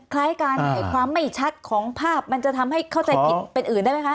คล้ายกันความไม่ชัดของภาพมันจะทำให้เข้าใจผิดเป็นอื่นได้ไหมคะ